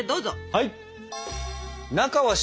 はい！